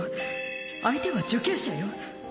相手は受刑者よ。